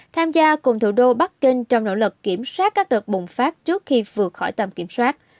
tham gia cùng thủ đô bắc kinh trong nỗ lực kiểm soát các đợt bùng phát trước khi vượt khỏi tầm kiểm soát